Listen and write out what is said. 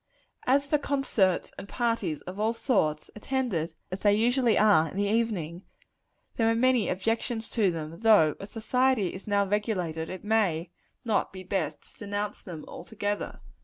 As for concerts, and parties of all sorts, attended as they usually are in the evening, there are many objections to them though, as society is now regulated, it may not be best to denounce them altogether.